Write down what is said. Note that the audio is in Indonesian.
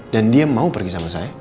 dan dia mau pergi sama saya